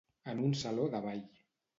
En un saló de ball.